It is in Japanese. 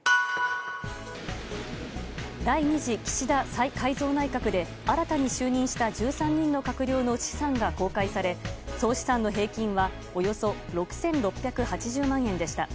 第２次岸田再改造内閣で新たに就任した１３人の閣僚の資産が公開され総資産の平均はおよそ６６８０万円でした。